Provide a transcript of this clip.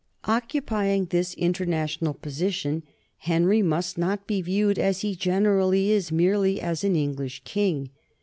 Occupying this international position, Henry must not be viewed, as he generally is, merely as an English king.